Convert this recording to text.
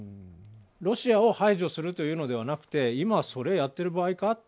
ロシアを排除するというのではなくて今、それをやっている場合か？